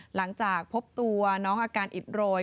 หลังจากพบตัวน้องอาการอิดโรย